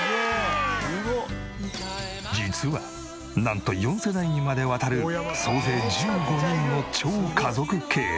実はなんと４世代にまでわたる総勢１５人の超家族経営。